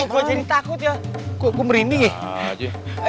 kok jadi takut ya kok merinding ya